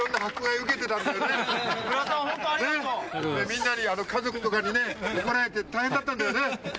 みんなに家族とかに怒られて大変だったんだよね。